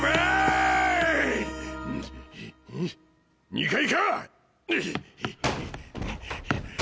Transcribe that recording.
２階か？